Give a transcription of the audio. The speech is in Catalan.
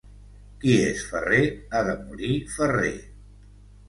Qui és ferrer ha de morir ferrer.